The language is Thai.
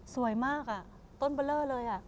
สวยมากต้นเบลอเลย